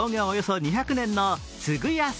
およそ２００年の津具屋